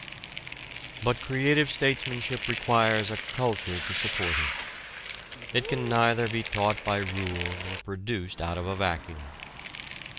But creative statesmanship requires a culture to support it. It can neither be taught by rule nor produced out of a vacuum.